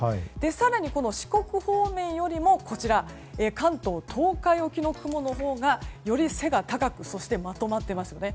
更に四国方面よりも関東・東海沖の雲のほうがより背が高くそしてまとまっていますよね。